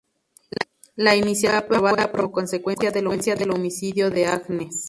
La iniciativa fue aprobada como consecuencia del homicidio de Agnes.